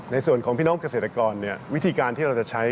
ในส่วนของพี่น้องเกษตรกรวิธีการที่เราจะใช้